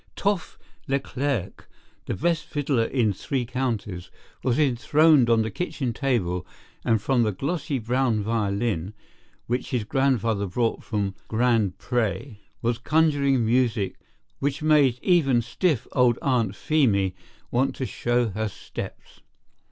Toff Leclerc, the best fiddler in three counties, was enthroned on the kitchen table and from the glossy brown violin, which his grandfather brought from Grand Pré, was conjuring music which made even stiff old Aunt Phemy want to show her steps.